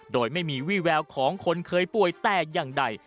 โดยไม่มีวี่แววของคนเคยป่วยแต่อย่างใด